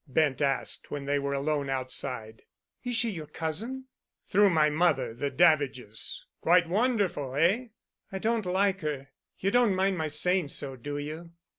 Bent asked when they were alone outside. "Is she your cousin?" "Through my mother—the Davidges. Quite wonderful, eh?" "I don't like her. You don't mind my saying so, do you?"